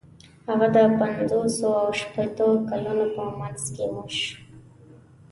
هغه د پنځوسو او شپیتو کلونو په منځ کې مړ شو.